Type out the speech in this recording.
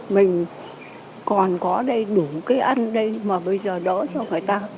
mình còn có đầy đủ cái ăn đây mà bây giờ đỡ cho người ta